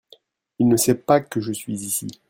Il ne sait pas que je suis ici.